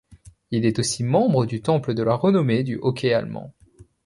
Il est aussi membre du temple de la renommée du hockey allemand.